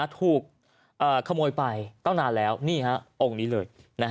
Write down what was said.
ถูกขโมยไปตั้งนานแล้วนี่ฮะองค์นี้เลย